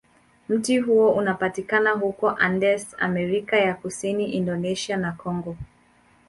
Mti huo unapatikana huko Andes, Amerika ya Kusini, Indonesia, na Kongo.